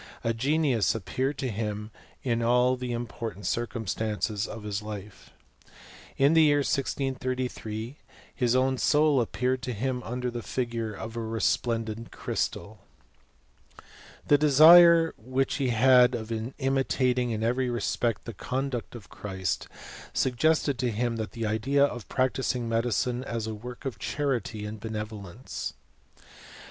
A genius appeared to him in all the important chrcumstances of his life. In the year 1 633 r his own soul appeared to him under the figure of a resplendent crystal. <;. The desire which he had of imitating in every respect the conduct of Christ, suggested ttojiim^tlie idea of practising medicine as a work of charity and benevolence.